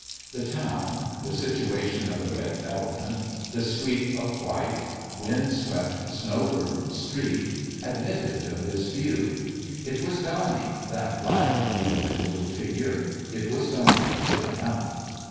The town the situation of the Red FATHER AND SON 287 Elephant the sweep of white, wind swept, snow burdened street admitted of this view. It was Donnie that black, yielding little figure. It was Donnie, sure enough